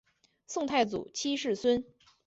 宋太宗七世孙。